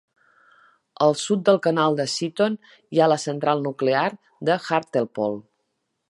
Al sud del canal de Seaton hi ha la central nuclear de Hartlepool.